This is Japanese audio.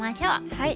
はい。